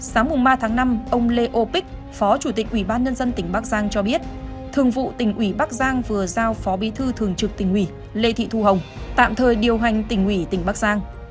sáng ba tháng năm ông lê o bích phó chủ tịch ủy ban nhân dân tỉnh bắc giang cho biết thường vụ tỉnh ủy bắc giang vừa giao phó bí thư thường trực tỉnh ủy lê thị thu hồng tạm thời điều hành tỉnh ủy tỉnh bắc giang